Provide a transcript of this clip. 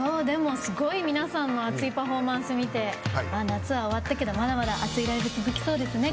すごい皆さんの熱いパフォーマンス見て夏は終わったけどまだまだ熱いライブ続きそうですね